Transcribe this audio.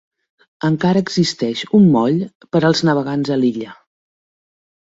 Encara existeix un moll per als navegants a l'illa.